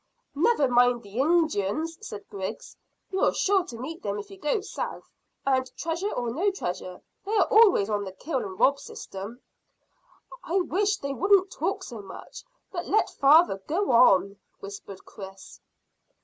"Never mind the Injuns," said Griggs. "You're sure to meet them if you go south, and, treasure or no treasure, they are always on the kill and rob system." "I wish they wouldn't talk so much, but let father go on," whispered Chris.